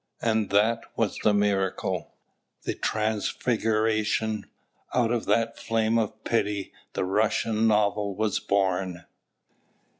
And that was the miracle, the transfiguration. Out of that flame of pity the Russian novel was born.